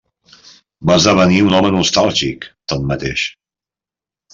Va esdevenir un home nostàlgic, tanmateix.